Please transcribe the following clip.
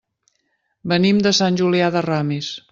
Venim de Sant Julià de Ramis.